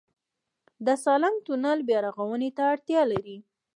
د سالنګ تونل بیارغونې ته اړتیا لري؟